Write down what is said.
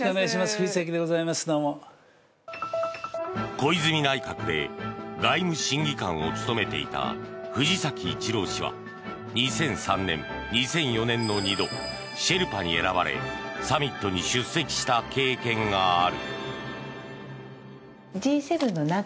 小泉内閣で外務審議官を務めていた藤崎一郎氏は２００３年、２００４年の２度シェルパに選ばれサミットに出席した経験がある。